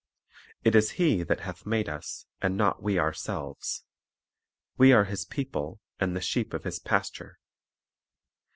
" It is He that hath made us, and not we ourselves ; We are His people, and the sheep of His pasture.